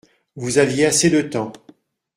Vous aviez assez de temps.